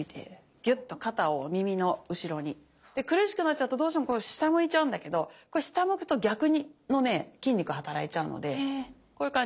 ぎゅっと肩を耳の後ろに。で苦しくなっちゃうとどうしてもこう下向いちゃうんだけどこれ下向くと逆のね筋肉働いちゃうのでこういう感じ。